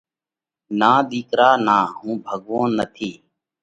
نان ۮِيڪرا نان، هُون ڀڳوونَ نٿِي۔